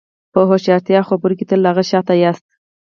په هوښیارتیا او خبرو کې تل له هغه شاته یاست.